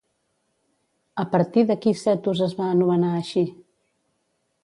A partir de qui Cetus es va anomenar així?